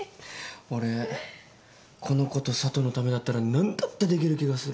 俺この子と佐都のためだったら何だってできる気がする。